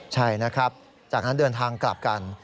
ใช่นะครับจากนั้นเดินทางกลับกัน